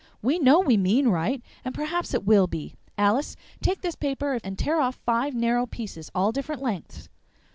We know we mean right, and perhaps it will be. Alice, take this paper and tear off five narrow pieces, all different lengths."